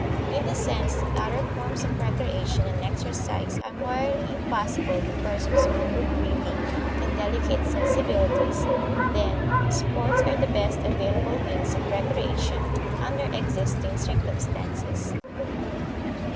In the sense that other forms of recreation and exercise are morally impossible to persons of good breeding and delicate sensibilities, then, sports are the best available means of recreation under existing circumstances.